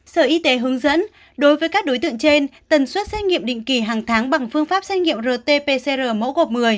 sở y tế hướng dẫn đối với các đối tượng trên tần suất xét nghiệm định kỳ hàng tháng bằng phương pháp xét nghiệm rt pcr mẫu gộp một mươi